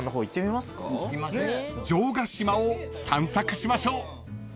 ［城ヶ島を散策しましょう］